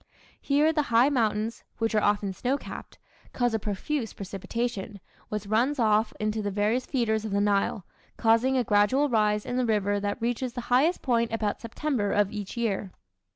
Here the high mountains, which are often snow capped, cause a profuse precipitation, which runs off into the various feeders of the Nile, causing a gradual rise in the river that reaches the highest point about September of each year.